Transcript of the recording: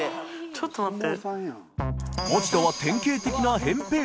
ちょっと待って。